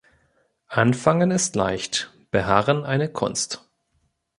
Anfangen ist leicht, Beharren eine Kunst.